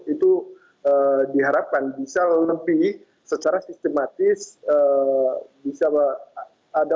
itu diharapkan bisa lebih secara sistematis bisa ada upaya upaya untuk melakukan kesejahteraan